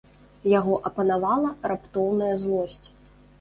Яго апанавала раптоўная злосць.